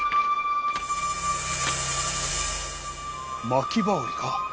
巻羽織か。